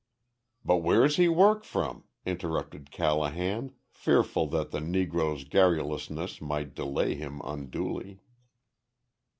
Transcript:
"But where's he work from?" interrupted Callahan, fearful that the negro's garrulousness might delay him unduly.